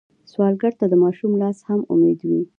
سوالګر ته د ماشوم لاس هم امید وي